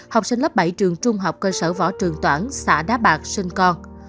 học sinh lớp bảy trường trung học cơ sở võ trường toản xã đá bạc sinh con